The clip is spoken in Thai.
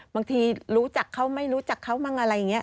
บางทีรู้จักเขาไม่รู้จักเขามั่งอะไรอย่างนี้